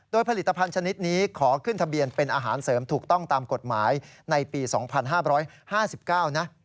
โดยผลิตภัณฑ์ชนิดนี้ขอขึ้นทะเบียนเป็นอาหารเสริมถูกต้องตามกฎหมายในปี๒๕๕๙นะ